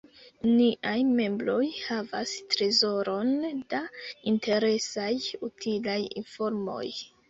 Niaj membroj havas trezoron da interesaj, utilaj informoj.